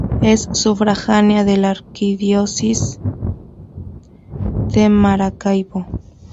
Es sufragánea de la Arquidiócesis de Maracaibo.